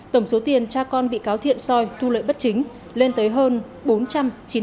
tổng số tiền cha con bị cáo thiện soi thu lợi bất chính lên tới hơn